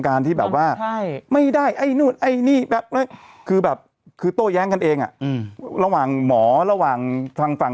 อย่างที่พี่นุ่มบอกที่อังกฤษเขาใช้ปกติเลย